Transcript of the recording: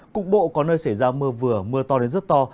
cục bộ có nơi xảy ra mưa vừa mưa to đến rất to